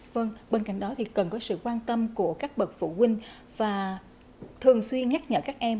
vâng bên cạnh đó thì cần có sự quan tâm của các bậc phụ huynh và thường xuyên nhắc nhở các em